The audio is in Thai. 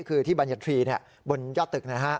คือที่บัญญาณภรีบนยอดตึก